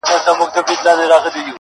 نه له پلاره پاتېده پاچهي زوى ته!.